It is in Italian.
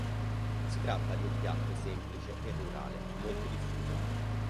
Si tratta di un piatto semplice e rurale, molto diffuso.